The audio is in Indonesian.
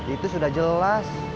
itu sudah jelas